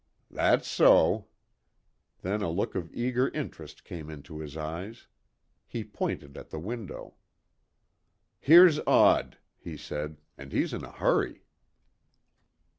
"That's so." Then a look of eager interest came into his eyes. He pointed at the window. "Here's Odd," he said. "And he's in a hurry."